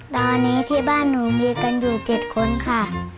ตอนนี้ที่บ้านหนูมีกันอยู่๗คนค่ะ